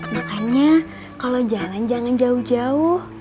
makanya kalau jalan jangan jauh jauh